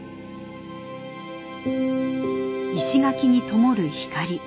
石垣にともる光。